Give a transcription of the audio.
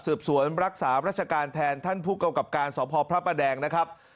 สวนรักษารัชการแทนท่านผู้กำกับการสพพระประแดงนะครับ